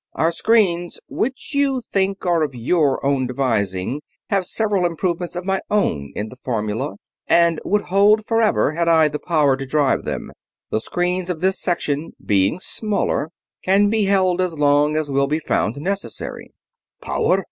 "Our screens, which you think are of your own devising, have several improvements of my own in the formulae, and would hold forever had I the power to drive them. The screens of this section, being smaller, can be held as long as will be found necessary." "Power!"